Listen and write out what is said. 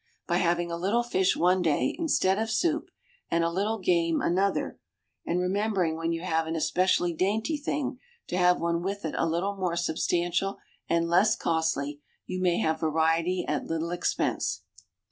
By having a little fish one day, instead of soup, and a little game another, and remembering when you have an especially dainty thing, to have one with it a little more substantial and less costly, you may have variety at little expense.